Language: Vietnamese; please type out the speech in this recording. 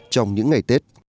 trong những ngày tết